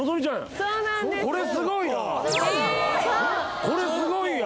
それすごいやん。